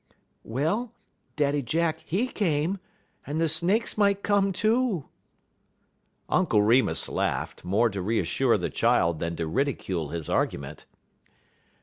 "Well, Daddy Jack, he came, and the snakes might come too." Uncle Remus laughed, more to reassure the child than to ridicule his argument.